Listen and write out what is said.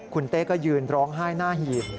คุณเต้ก็ยืนร้องไห้หน้าหีบ